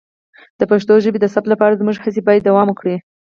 د پښتو ژبې د ثبت لپاره زموږ هڅې باید دوام وکړي.